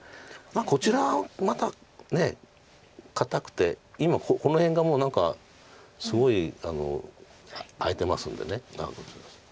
こちらまた堅くて今この辺がもう何かすごい空いてますんで。